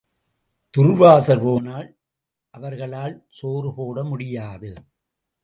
துர்வாசர் போனால் அவர்களால் சோறு போட முடியாது.